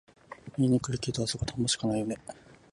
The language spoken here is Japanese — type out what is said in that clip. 言いにくいけど、あそこ田んぼしかないよね